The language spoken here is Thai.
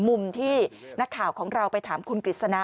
มุมที่นักข่าวของเราไปถามคุณกฤษณะ